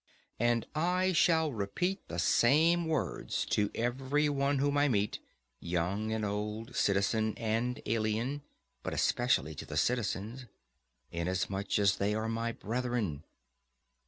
And I shall repeat the same words to every one whom I meet, young and old, citizen and alien, but especially to the citizens, inasmuch as they are my brethren.